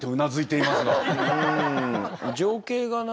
情景がな